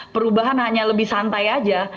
perubahan hanya lebih santai saja